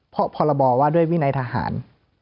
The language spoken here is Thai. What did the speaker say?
เพราะพรบว่าด้วยวินัยทหาร